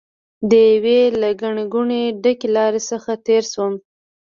د یوې له ګڼې ګوڼې ډکې لارې څخه تېر شوم.